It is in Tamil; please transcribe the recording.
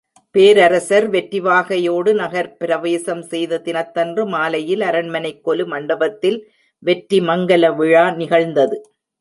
பேரரசர் வெற்றி வாகையோடு நகர்ப் பிரவேசம் செய்த தினத்தன்று மாலையில் அரண்மனைக் கொலு மண்டபத்தில் வெற்றி மங்கலவிழா நிகழ்ந்தது.